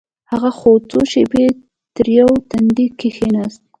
هغه څو شېبې تريو تندى کښېناست.